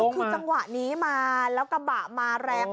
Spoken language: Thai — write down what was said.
คือจังหวะนี้มาแล้วกระบะมาแรง